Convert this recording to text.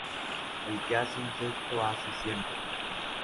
El que hace un cesto, hace ciento